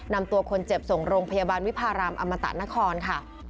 นำตัวคนเจ็บส่งโรงพยาบาลวิพารามอมตะนครค่ะ